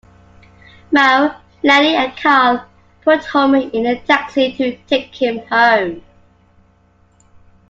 Moe, Lenny and Carl put Homer in a taxi to take him home.